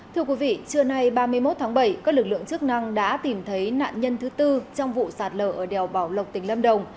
thưa quý vị trưa nay ba mươi một tháng bảy các lực lượng chức năng đã tìm thấy nạn nhân thứ tư trong vụ sạt lở ở đèo bảo lộc tỉnh lâm đồng